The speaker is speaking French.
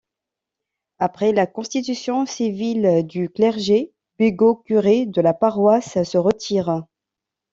Après la constitution civile du clergé, Bigot, curé de la paroisse se retire.